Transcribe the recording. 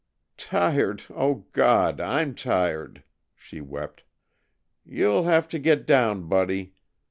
"Tired, oh, God, I'm tired!" she wept. "You'll have to get down, Buddy.